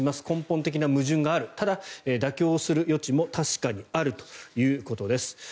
根本的な矛盾があるただ、妥協する余地も確かにあるということです。